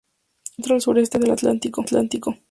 Se encuentra al sureste del Atlántico.